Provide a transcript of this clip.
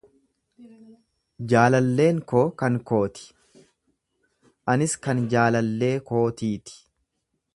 Jaalalleen koo kan koo ti, anis kan jaalallee kootii ti;